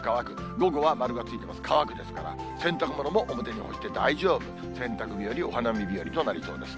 午後は丸がついてます、乾くですから、洗濯物も表に干して大丈夫、洗濯日和、お花見日和となりそうです。